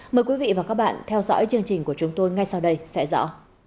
mời quý vị và các bạn theo dõi chương trình của chúng tôi ngay sau đây sẽ rõ